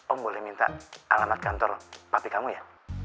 om boleh minta alamat kantor pabrik kamu ya